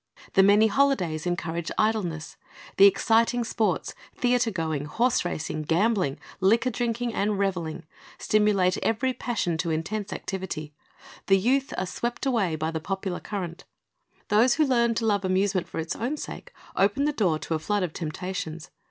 The many holidays encourage idleness. The exciting sports — theater going, horse racing, gambling, liquor drinking, and reveling — stimulate every passion to intense activity. The youth are swept away by the popular current. Those who learn to love amusement for its own sake, open ''The Sozvcr Went Forth to Sow'" 55 the door to a flood of temptations.